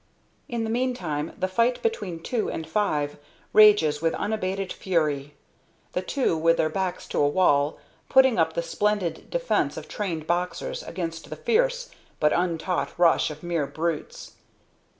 In the meantime the fight between two and five rages with unabated fury; the two, with their backs to a wall, putting up the splendid defence of trained boxers against the fierce but untaught rush of mere brutes.